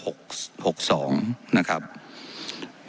ว่าพลโทษจิตติรอดบางอย่างเนี่ย